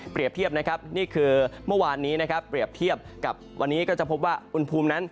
เทียบนะครับนี่คือเมื่อวานนี้นะครับเปรียบเทียบกับวันนี้ก็จะพบว่าอุณหภูมินั้น